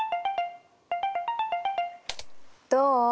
どう？